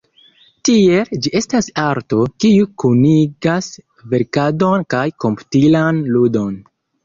Tiel, ĝi estas arto, kiu kunigas verkadon kaj komputilan ludon.